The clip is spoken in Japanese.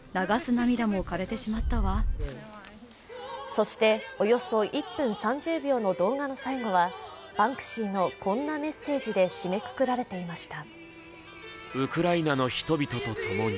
そして、およそ１分３０秒の動画の最後はバンクシーのこんなメッセージで絞めくくられていました。